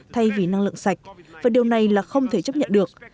thay vì năng lượng sạch và điều này là không thể chấp nhận được